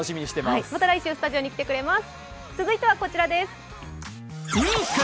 また来週スタジオに来てくれます。